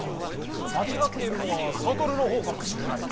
まちがっているのは悟のほうかもしれないぞ。